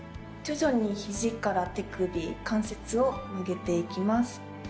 徐々に肘から手首関節を曲げていきます。